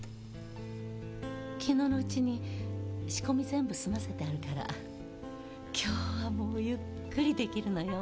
昨日のうちに仕込み全部済ませてあるから今日はもうゆっくりできるのよ。